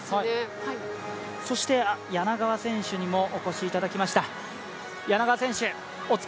そして柳川選手にもお越しいただきました。